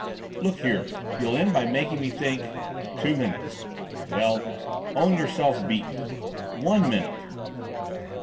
"Look here, you'll end by making me think..." "Two minutes." "Well, own yourself beaten!" "One minute."